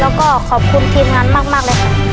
แล้วก็ขอบคุณทีมงานมากเลยค่ะ